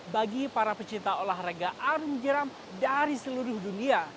bagi para pecinta olahraga arung jeram dari seluruh dunia